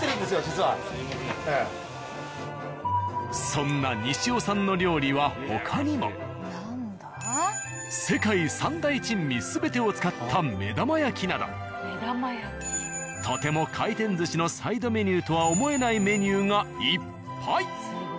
そんな西尾さんの料理は世界３大珍味全てを使った目玉焼きなどとても回転寿司のサイドメニューとは思えないメニューがいっぱい。